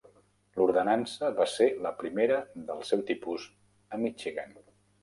L'ordenança va ser la primera del seu tipus a Michigan.